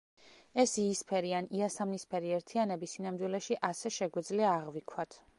ეს იისფერი ან იასამნისფერი ერთიანები სინამდვილეში ასე შეგვიძლია აღვიქვათ.